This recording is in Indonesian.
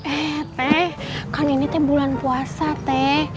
eh teh kan ini teh bulan puasa teh